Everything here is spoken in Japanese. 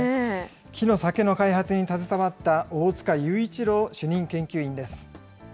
木の酒の開発に携わった、大塚祐一郎主任研究員です。